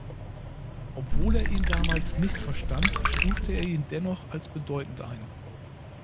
Obwohl er ihn damals nicht verstand, stufte er ihn dennoch als bedeutend ein.